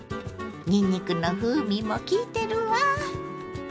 にんにくの風味もきいてるわ。